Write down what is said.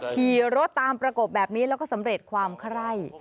ขี่รถตามประกบแล้วก็สำเร็จความคไร